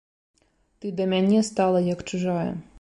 Ты да мяне стала як чужая.